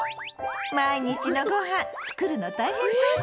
毎日のごはん作るの大変そうね